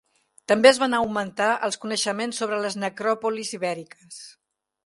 També es van augmentar els coneixements sobre les necròpolis ibèriques.